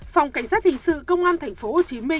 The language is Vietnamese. phòng cảnh sát hình sự công an tp hcm